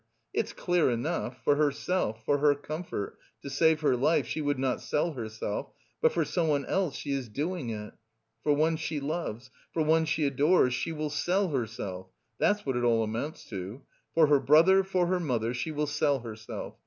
It's clear enough: for herself, for her comfort, to save her life she would not sell herself, but for someone else she is doing it! For one she loves, for one she adores, she will sell herself! That's what it all amounts to; for her brother, for her mother, she will sell herself!